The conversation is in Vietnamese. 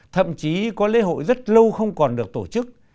thậm chí có lễ hội rất lâu không còn được tổ chức